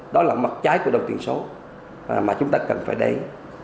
đó là mặt trái của đồng tiền số mà chúng ta cần phải để